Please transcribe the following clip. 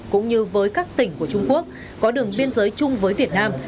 cũng như với các tỉnh của trung quốc có đường biên giới chung với việt nam